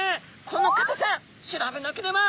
このかたさ調べなければ！